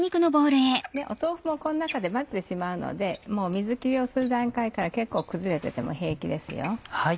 豆腐もこの中で混ぜてしまうのでもう水切りをする段階から結構崩れてても平気ですよ。